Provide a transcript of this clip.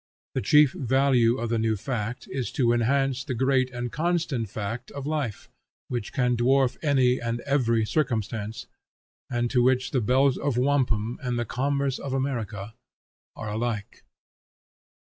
The chief value of the new fact is to enhance the great and constant fact of Life, which can dwarf any and every circumstance, and to which the belt of wampum and the commerce of America are alike.